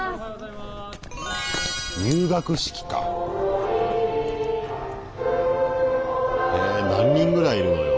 入学式か！へ何人ぐらいいるのよ